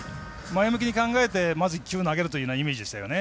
前向きに考えて１球投げるというようなイメージでしたよね。